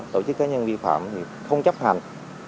tổ chức cá nhân vi phạm thì không chấp hành